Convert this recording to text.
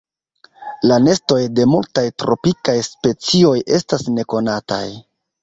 La nestoj de multaj tropikaj specioj estas nekonataj.